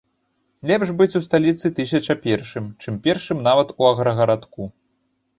Лепш быць у сталіцы тысяча першым, чым першым нават у аграгарадку.